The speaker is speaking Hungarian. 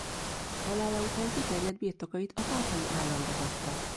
Halála után kiterjedt birtokait a pápai államra hagyta.